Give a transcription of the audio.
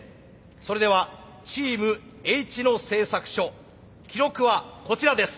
それではチームＨ野製作所記録はこちらです。